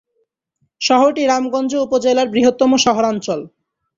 শহরটি রামগঞ্জ উপজেলার বৃহত্তম শহরাঞ্চল।